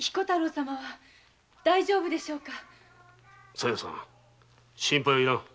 小夜さん心配は要らん。